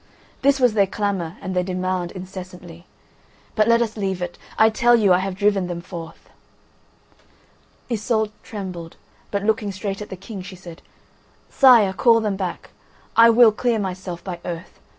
This was their clamour and their demand incessantly. But let us leave it. I tell you, I have driven them forth." Iseult trembled, but looking straight at the King, she said: "Sire, call them back; I will clear myself by oath.